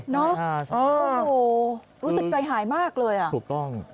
เนอะโอ้โหรู้สึกใจหายมากเลยอ่ะถูกต้อง